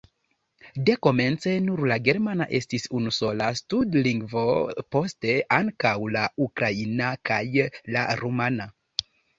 Dekomence nur la germana estis unusola stud-lingvo, poste ankaŭ la ukraina kaj la rumana.